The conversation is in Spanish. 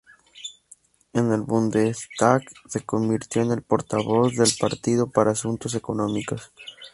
En el Bundestag, se convirtió en la portavoz del partido para asuntos económicos.